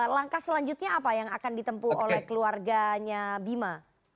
langkah selanjutnya apa yang akan ditempu oleh keluarganya bima